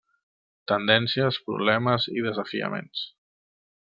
Tendències, Problemes i Desafiaments.